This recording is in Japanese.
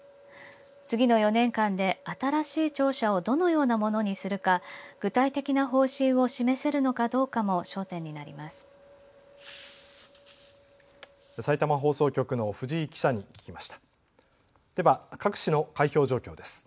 次の４年間で新しい庁舎をどのようなものにするか具体的な方針を示せるのかどうかもさいたま放送局の藤井記者に聞きました。